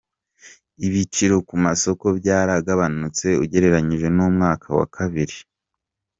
Ibiciro ku masoko byaragabanutse ugereranyije n’umwaka wa bibiri